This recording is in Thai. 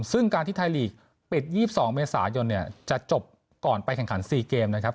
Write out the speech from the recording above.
ซึ่งการที่ไทยลีกปิด๒๒เมษายนเนี่ยจะจบก่อนไปแข่งขัน๔เกมนะครับ